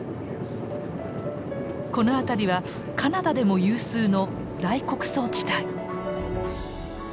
この辺りはカナダでも有数の大穀倉地帯。